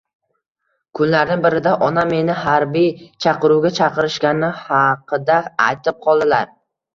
Kunlarni birida onam meni xarbiy chaqiruvga chaqirishgani xaqida aytib qoldilar